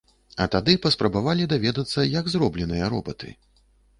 А тады паспрабавалі даведацца, як зробленыя робаты.